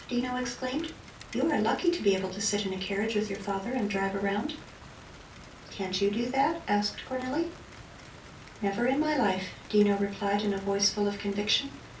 Dino exclaimed. "You are lucky to be able to sit in a carriage with your father and drive around!" "Can't you do that?" asked Cornelli. "Never in my life," Dino replied in a voice full of conviction.